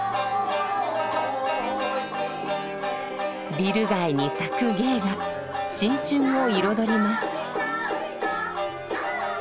ビル街に咲く芸が新春を彩ります。